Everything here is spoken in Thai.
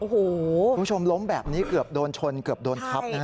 คุณผู้ชมล้มแบบนี้เกือบโดนชนเกือบโดนทับนะฮะ